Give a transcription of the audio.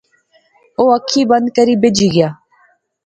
او اکھی بند کری بہجی گیا